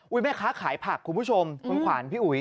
แม่ค้าขายผักคุณผู้ชมคุณขวานพี่อุ๋ย